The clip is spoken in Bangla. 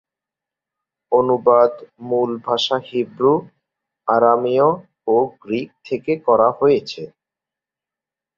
অনুবাদ মূল ভাষা হিব্রু, আরামীয় ও গ্রীক থেকে করা হয়েছে।